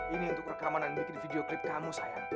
ini untuk rekamanan bikin video klip kamu sayang